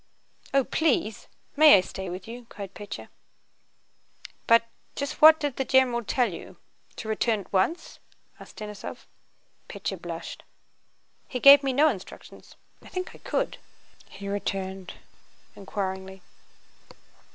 "Oh, please... May I stay with you?" cried Pétya. "But, just what did the genewal tell you? To weturn at once?" asked Denísov. Pétya blushed. "He gave me no instructions. I think I could?" he returned, inquiringly.